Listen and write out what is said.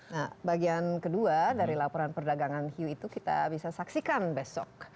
nah bagian kedua dari laporan perdagangan hiu itu kita bisa saksikan besok